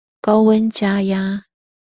高溫加壓